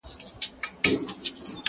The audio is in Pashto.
« لکه شمع په خندا کي مي ژړا ده !.